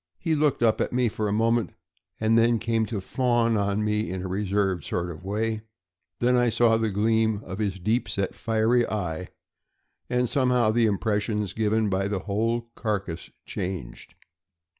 He looked up at me for a moment, and then came to fawn on me in a reserved sort of way; then I saw the gleam of his deep set, fiery eye, and somehow the impression given by the whole carcass changed.